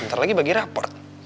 ntar lagi bagi raport